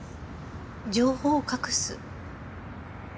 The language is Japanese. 情報を隠す？